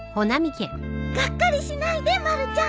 がっかりしないでまるちゃん。